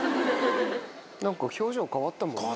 何か表情変わったもんね。